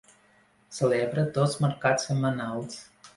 Celebra dos mercats setmanals.